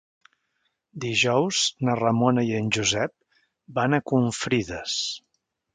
Dijous na Ramona i en Josep van a Confrides.